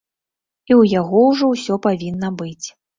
І ў яго ўжо ўсё павінна быць.